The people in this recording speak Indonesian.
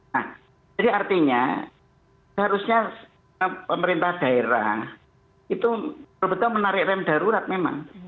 nah jadi artinya seharusnya pemerintah daerah itu betul betul menarik rem darurat memang